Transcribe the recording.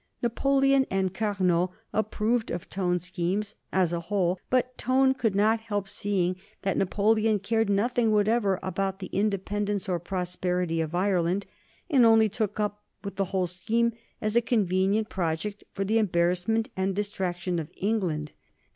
Napoleon and Carnot approved of Tone's schemes as a whole, but Tone could not help seeing that Napoleon cared nothing whatever about the independence or prosperity of Ireland, and only took up with the whole scheme as a convenient project for the embarrassment and the distraction of England.